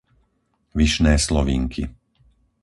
Vyšné Slovinky